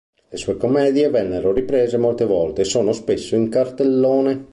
Le sue commedie vennero riprese molte volte e sono spesso in cartellone.